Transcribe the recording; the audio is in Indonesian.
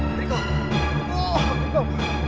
plug in untuk aku